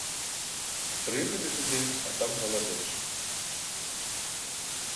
Прыехалі туды, а там галадэча.